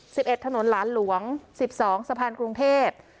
เอ็ดถนนหลานหลวงสิบสองสะพานกรุงเทพ